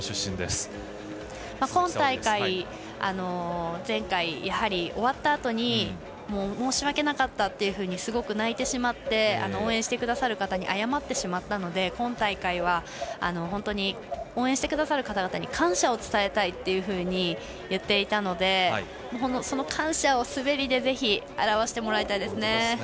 今大会、前回終わったあとに申し訳なかったとすごく泣いてしまって応援してくださる人に謝ってしまったので、今大会は本当に応援してくださる方に感謝を伝えたいと言っていたのでその感謝を滑りでぜひ、表してもらいたいですね。